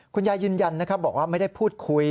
ยืนยันนะครับบอกว่าไม่ได้พูดคุย